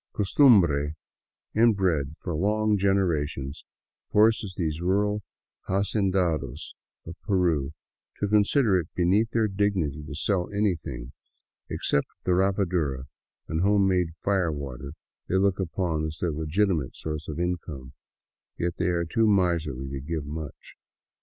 Costumhre, inbred for long generations, forces these rural hacendados of Peru to consider it beneath their dignity to sell anything, except the rapadura and home made fire water they look upon as their legitimate source of income, yet they are too miserly to give much.